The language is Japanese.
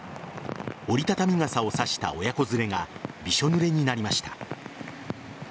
折り畳み傘を差した親子連れがびしょ濡れになりました。